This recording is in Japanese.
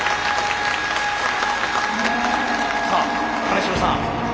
さあ金城さん